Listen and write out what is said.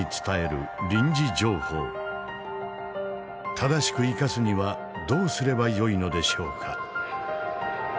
正しく生かすにはどうすればよいのでしょうか。